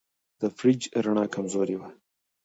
د فریج رڼا کمزورې وه.